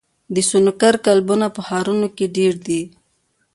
د سنوکر کلبونه په ښارونو کې ډېر دي.